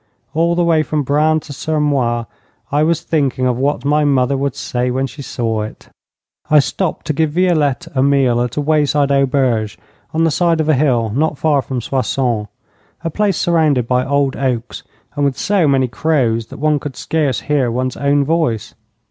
All the way from Braine to Sermoise I was thinking of what my mother would say when she saw it. I stopped to give Violette a meal at a wayside auberge on the side of a hill not far from Soissons a place surrounded by old oaks, and with so many crows that one could scarce hear one's own voice.